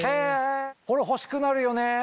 これ欲しくなるよね。